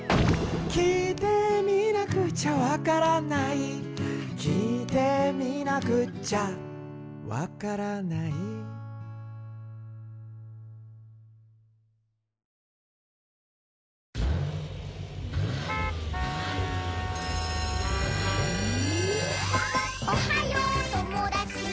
「聞いてみなくちゃわからない」「聞いてみなくっちゃわからない」「サンキュー！」